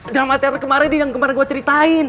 drama teror kemarin yang kemarin gue ceritain